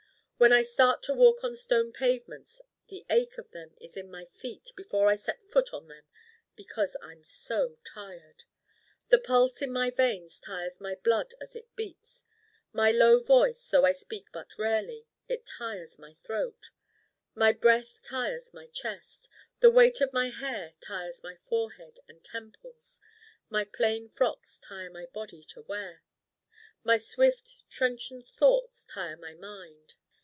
When I start to walk on stone pavements the ache of them is in my feet before I set a foot on them because I'm so Tired. The pulse in my veins Tires my blood as it beats. My low voice, though I speak but rarely it Tires my throat. My breath Tires my chest. The weight of my hair Tires my forehead and temples. My plain frocks Tire my Body to wear. My swift trenchant thoughts Tire my Mind.